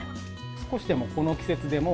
少しでもこの季節でも、